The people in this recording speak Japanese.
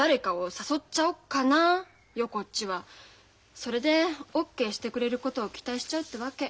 それでＯＫしてくれることを期待しちゃうってわけ。